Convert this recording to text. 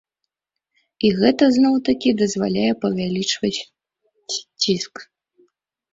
І гэта зноў-такі дазваляе павялічваць ціск.